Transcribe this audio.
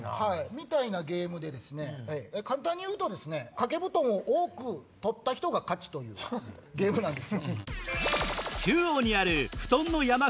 みたいなゲームで簡単に言うと掛け布団を多く取った人が勝ちというゲームなんです。